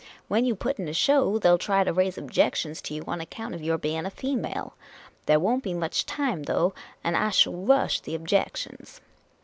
When you put in a show they '11 try to raise objections to you on account of your being a female. There won't be much time, though, and I shall rush the ob jections.